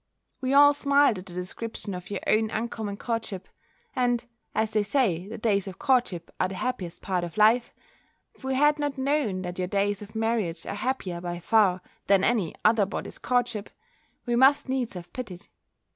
We all smiled at the description of your own uncommon courtship. And, as they say the days of courtship are the happiest part of life, if we had not known that your days of marriage are happier by far than any other body's courtship, we must needs have pitied.